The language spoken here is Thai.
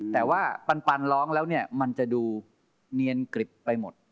แต่ว่าปันร้องแล้วเนี่ยมันจะดูเนียนกริบไปหมด